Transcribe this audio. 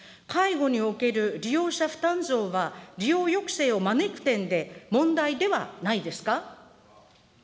介護における利用者負担増は、利用抑制を招く点で問題ではないですか。